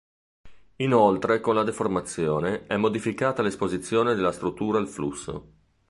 Inoltre con la deformazione è modificata l'esposizione della struttura al flusso.